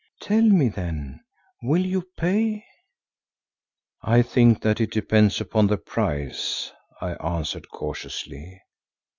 Tell me then, will you pay?" "I think that it depends upon the price," I answered cautiously.